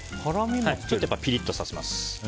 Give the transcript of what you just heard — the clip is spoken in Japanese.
ちょっとピリッとさせます。